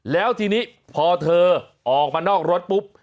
แล้วทีนี้พอเธอออกมานอกรถปุ๊บ